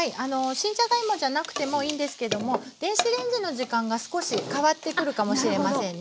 新じゃがいもじゃなくてもいいんですけども電子レンジの時間が少し変わってくるかもしれませんね。